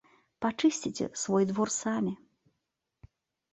Пачысціце свой двор самі.